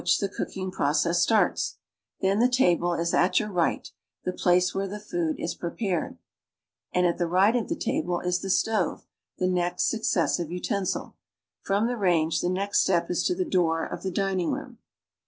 (Plan B, pago 15) the cooking process starts; then the table is at your right, the place where the food is prepared; and at the right of the table is the stove, the next successive utensil. From the range, the next step is to the door of the dining room.